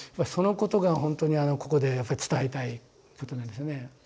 そのことがほんとにここでやっぱ伝えたいことなんですよね。